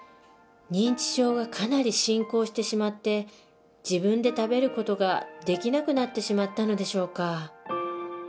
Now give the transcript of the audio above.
認知症がかなり進行してしまって自分で食べる事ができなくなってしまったのでしょうか